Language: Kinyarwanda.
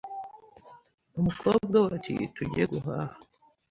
umukobwa we ati tujye guhaha